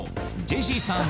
ジェシーさん